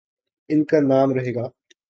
ان کانام رہے گا۔